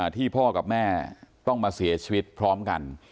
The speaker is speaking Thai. ที่พ่อกับแม่ต้องมาเสียชีวิตพร้อมกัน